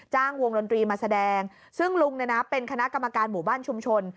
วงดนตรีมาแสดงซึ่งลุงเนี่ยนะเป็นคณะกรรมการหมู่บ้านชุมชน